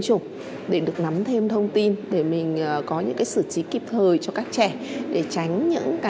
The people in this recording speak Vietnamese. chủng để được nắm thêm thông tin để mình có những cái xử trí kịp thời cho các trẻ để tránh những cái